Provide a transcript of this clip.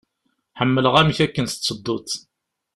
Ḥemmleɣ amek akken tettedduḍ.